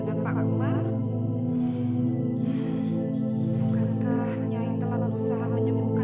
sampai jumpa di video selanjutnya